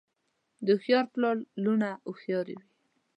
د هوښیار پلار لوڼه هوښیارې وي.